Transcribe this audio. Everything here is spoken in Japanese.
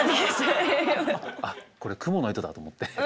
あっこれ蜘蛛の糸だと思って。